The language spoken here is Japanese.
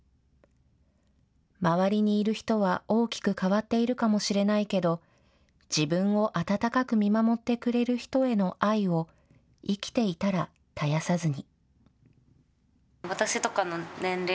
周りにいる人は大きく変わっているかもしれないけど自分を温かく見守ってくれる人への愛を生きていたら絶やさずに。